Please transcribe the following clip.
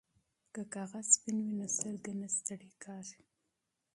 که کاغذ سپین وي نو سترګې نه ستړې کیږي.